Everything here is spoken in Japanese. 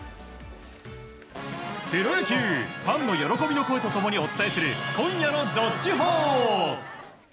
プロ野球、ファンの喜びの声と共にお伝えする今夜の「＃どっちほー」。